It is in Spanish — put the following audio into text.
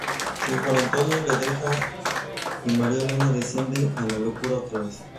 Juan Antonio la deja y María Elena desciende a la locura otra vez.